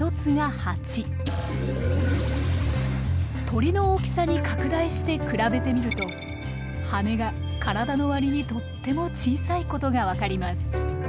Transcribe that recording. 鳥の大きさに拡大して比べてみると羽が体の割にとっても小さいことが分かります。